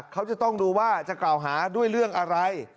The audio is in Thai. เขาจะต้องดูว่าจะกล่าวหาด้วยเรื่องอะไร